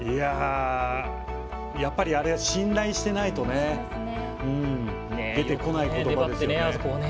やっぱりあれは信頼していないと出てこない言葉ですよね。